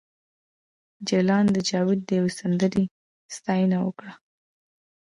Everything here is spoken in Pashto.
جلان د جاوید د یوې سندرې ستاینه وکړه